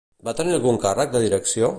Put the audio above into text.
Va tenir algun càrrec de direcció?